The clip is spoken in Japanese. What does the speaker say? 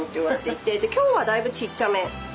今日はだいぶちっちゃめ。